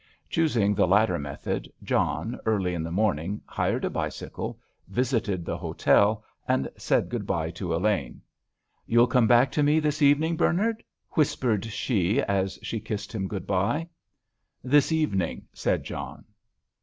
Choosing the latter method, John, early in the morning, hired a bicycle, visited the hotel, and said good bye to Elaine. "You'll come back to me this evening, Bernard?" whispered she as she kissed him good bye. "This evening," said John.